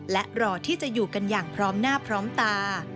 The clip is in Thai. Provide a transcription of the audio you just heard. และรอที่จะอยู่กันอย่างพร้อมหน้าพร้อมตา